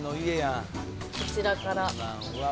こちらから。